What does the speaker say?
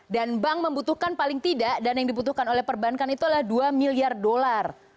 dan bank membutuhkan paling tidak dan yang dibutuhkan oleh perbankan itu adalah dua miliar dolar